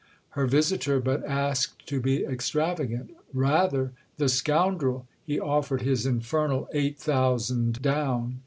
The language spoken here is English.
Her visitor but asked to be extravagant. "Rather—the scoundrel. He offered his infernal eight thousand down."